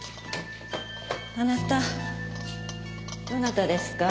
あなたどなたですか？